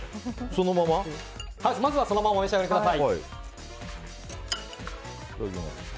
まずはそのままお召し上がりください。